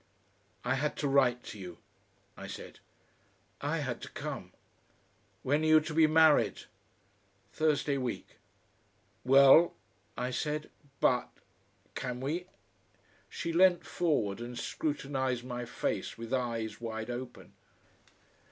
"I had to write to you," I said. "I had to come." "When are you to be married?" "Thursday week." "Well?" I said. "But can we?" She leant forward and scrutinised my face with eyes wide open.